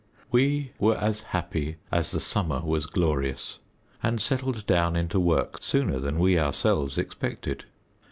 We were as happy as the summer was glorious, and settled down into work sooner than we ourselves expected.